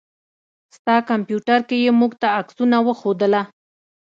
ستا کمپيوټر کې يې موږ ته عکسونه وښودله.